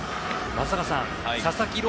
松坂さん佐々木朗